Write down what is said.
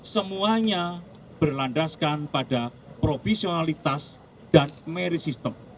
semuanya berlandaskan pada profesionalitas dan merit system